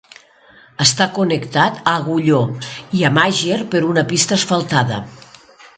Està connectat a Agulló i amb Àger per una pista asfaltada.